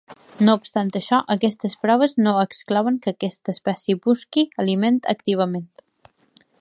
No obstant això, aquestes proves no exclouen que aquesta espècie busqui aliment activament.